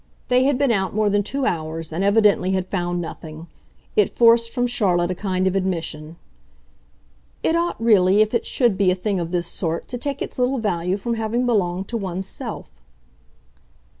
They had been out more than two hours and, evidently, had found nothing. It forced from Charlotte a kind of admission. "It ought, really, if it should be a thing of this sort, to take its little value from having belonged to one's self."